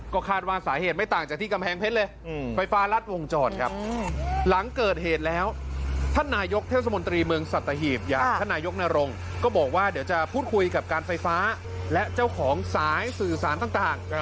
ก็คาดว่าสาเหตุไม่ต่างจากที่กำแพงเพชรเลยไฟฟ้ารัดวงจรครับหลังเกิดเหตุแล้วท่านนายกเทศมนตรีเมืองสัตหีบอย่างท่านนายกนรงก็บอกว่าเดี๋ยวจะพูดคุยกับการไฟฟ้าและเจ้าของสายสื่อสารต่าง